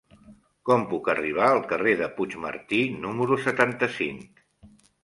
Com puc arribar al carrer de Puigmartí número setanta-cinc?